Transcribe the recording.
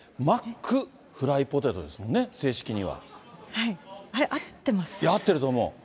マックフライポテトですもんね、正式には。合ってると思う。